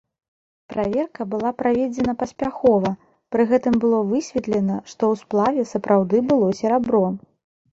Праверка была праведзена паспяхова, пры гэтым было высветлена, што ў сплаве сапраўды было серабро.